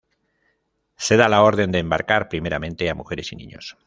Se da la orden de embarcar primeramente a mujeres y niños.